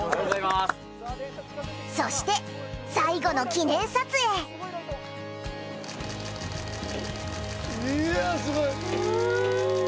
そして最後の記念撮影いやすごい。